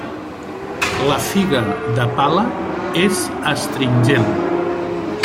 La figa de pala és astringent.